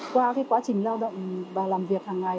qua quá trình lao động và làm việc hàng ngày